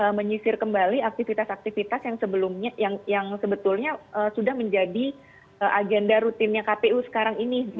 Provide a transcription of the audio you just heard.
jadi menyisir kembali aktivitas aktivitas yang sebetulnya sudah menjadi agenda rutinnya kpu sekarang ini